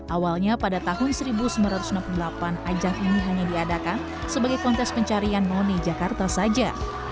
awalnya pada tahun seribu sembilan ratus enam puluh delapan ajang ini hanya diadakan sebagai kontes pencarian money jakarta saja